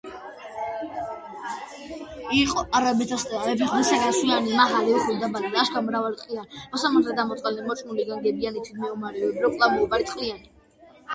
რიჩარდ რაიტის მეუღლემ ბავშვობაში გადაიტანა კლინიკური დეპრესია.